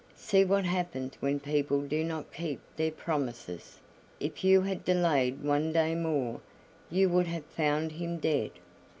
See what happens when people do not keep their promises! If you had delayed one day more, you would have found him dead."